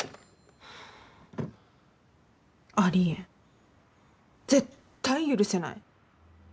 ありえん絶対許せない。